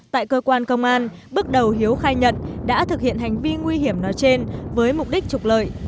tại cơ quan công an bước đầu hiếu khai nhận đã thực hiện hành vi nguy hiểm nói trên với mục đích trục lợi